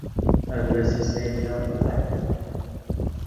Әллә сисәйем дә ырғытайыммы?